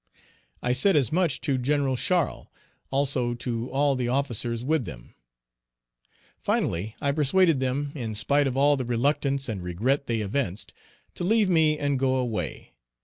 I said as much to Gen. Charles, also to all the officers with them; finally, I persuaded them, in spite of all the reluctance and regret they evinced, to leave me and go away.